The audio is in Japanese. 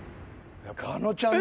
狩野ちゃん